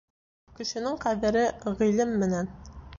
Кешенең ҡәҙере ғилем менән.